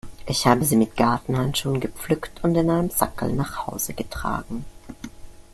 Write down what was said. Ich habe sie mit Gartenhandschuhen gepflückt und in einem Sackerl nach Hause getragen.